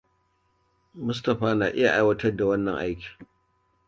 Mustapha na iya aiwatar da wannan aikin.